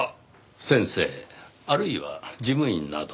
先生あるいは事務員など。